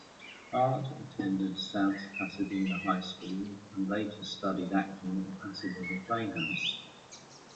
Hart attended South Pasadena High School and later studied acting at the Pasadena Playhouse.